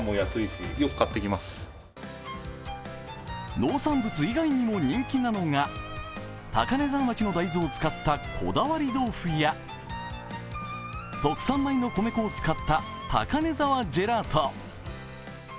農産物以外にも人気なのが、高根沢町の大豆を使ったこだわり豆腐や特産米の米粉を使った高根沢ジェラート。